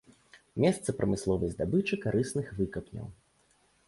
Месца прамысловай здабычы карысных выкапняў.